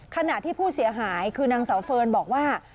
ขณะที่ผู้เสียหายคือนางเสาเฟิร์นบอกว่า